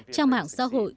trong mạng xã hội